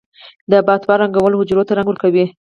د بافتو رنگول حجرو ته رنګ ورکوي.